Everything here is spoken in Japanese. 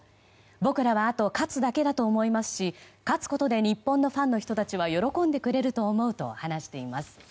僕らはあと勝つだけだと思いますし勝つことで日本のファンの人たちは喜んでくれると思うと話しています。